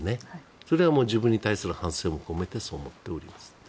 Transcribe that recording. それは自分に対する反省も込めてそう思っております。